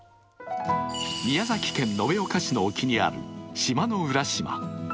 宮崎県延岡市の沖にある島野浦島。